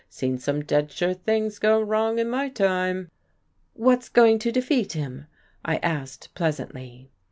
Seen some dead sure things go wrong in my time." "What's going to defeat him?" I asked pleasantly.